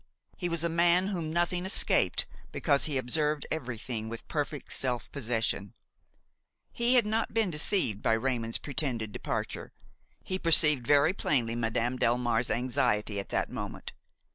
He was a man whom nothing escaped because he observed everything with perfect self possession. He had not been deceived by Raymon's pretended departure; he perceived very plainly Madame Delmare's anxiety at that moment.